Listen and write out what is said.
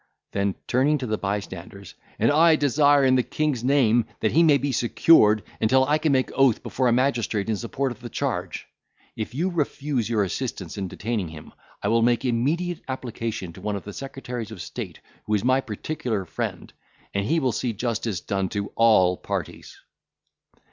Then turning to the bystanders, "and I desire in the King's name that he may be secured, until I can make oath before a magistrate in support of the charge. If you refuse your assistance in detaining him, I will make immediate application to one of the secretaries of state, who is my particular friend, and he will see justice done to all parties."